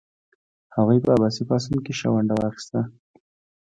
هغوی په عباسي پاڅون کې ښه ونډه واخیسته.